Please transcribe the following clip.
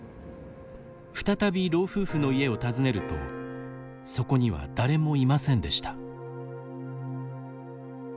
再び老夫婦の家を訪ねるとそこには誰もいませんでした。